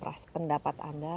pak pras pendapat anda